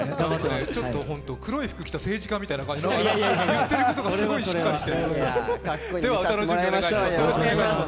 黒い服着た政治家みたいな感じで、言ってることがすごいしっかりしてる。